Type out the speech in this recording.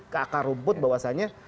ke akar rumput bahwasannya